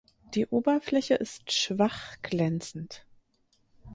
Die Oberfläche ist schwach glänzend.